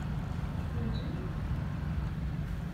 Twalam?